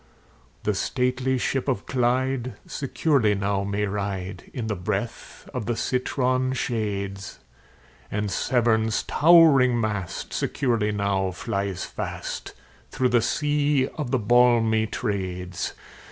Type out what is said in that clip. The stately ship of Clyde securely now may ride, In the breath of the citron shades; And Severn's towering mast securely now flies fast, Through the sea of the balmy Trades.